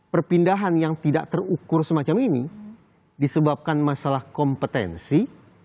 perpindahan yang tidak terukur semacam ini disebabkan masalah kompetensi